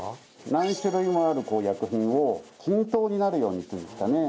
何種類もある薬品を均等になるようにっていうんですかね。